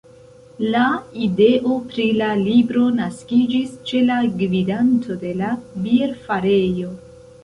La ideo pri la libro naskiĝis ĉe la gvidanto de la bierfarejo.